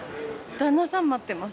旦那さん待ってます。